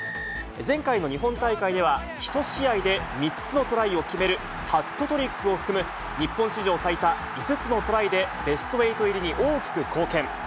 前回の日本大会では、１試合で３つのトライを決めるハットトリックを含む、日本史上最多５つのトライで、ベスト８入りに大きく貢献。